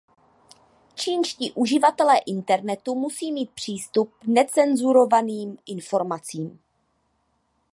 Čínští uživatelé internetu musí mít přístup necenzurovaným informacím.